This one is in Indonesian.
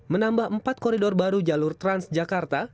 menambah empat koridor baru jalur transjakarta